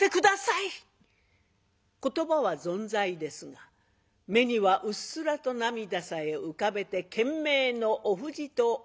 言葉はぞんざいですが目にはうっすらと涙さえ浮かべて懸命のおふじとおゆき。